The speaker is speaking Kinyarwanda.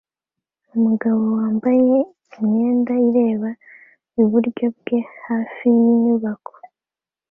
Umugabo wambaye imyenda ireba iburyo bwe hafi yinyubako